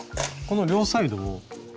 この両サイドを。